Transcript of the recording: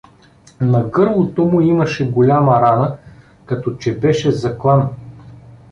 На гърлото му имаше голяма рана, като че беше заклан.